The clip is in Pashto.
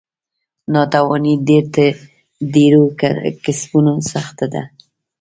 نانوایې تر ډیرو کسبونو سخته ده.